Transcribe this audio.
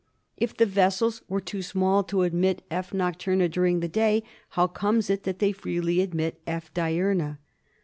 If the vessels are too small to admit F, nocturna during the day, how comes it that they freely admit F. diurna